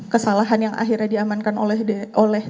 kesalahan yang akhirnya diamankan oleh